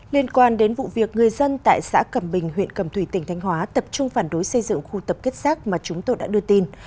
liên quan đến vụ việc người dân tại xã cầm bình huyện cầm thủy tỉnh thanh hóa tập trung phản đối xây dựng khu tập kết rác mà chúng tôi đã đưa tin